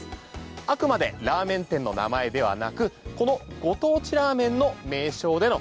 あくまでラーメン店の名前ではなくこのご当地ラーメンの名称での